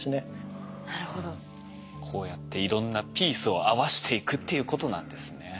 こうやっていろんなピースを合わしていくっていうことなんですね。